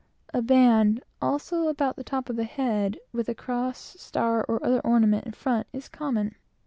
A band, also, about the top of the head, with a cross, star, or other ornament in front, is common.